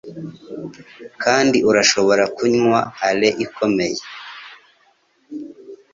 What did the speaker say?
Kandi urashobora kunywa ale ikomeye